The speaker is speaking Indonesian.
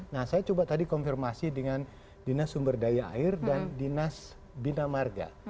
nah saya coba tadi konfirmasi dengan dinas sumber daya air dan dinas bina marga